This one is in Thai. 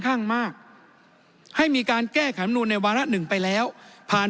ข้างมากให้มีการแก้ไขมนุนในวาระหนึ่งไปแล้วผ่าน